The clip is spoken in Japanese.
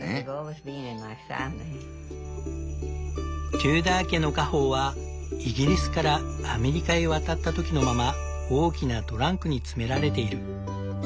テューダー家の家宝はイギリスからアメリカへ渡った時のまま大きなトランクに詰められている。